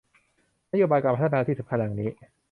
นโยบายการพัฒนาที่สำคัญดังนี้